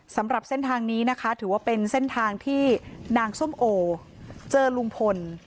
สำหรับเส้นทางนี้นะคะถือว่าเป็นเส้นทางที่นางส้มโอเจอลุงพล